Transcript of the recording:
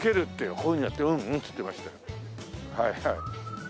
はいはい。